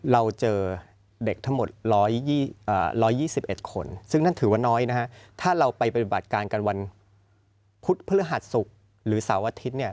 เราเจอเด็กทั้งหมด๑๒๑คนซึ่งนั่นถือว่าน้อยนะฮะถ้าเราไปปฏิบัติการกันวันพุธพฤหัสศุกร์หรือเสาร์อาทิตย์เนี่ย